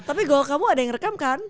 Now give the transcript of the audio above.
tapi gol kamu ada yang rekam kan